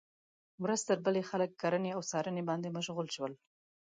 ورځ تر بلې خلک کرنې او څارنې باندې مشغول شول.